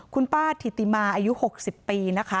คุณป้าถิติมาภาษาอายุ๖๐ปี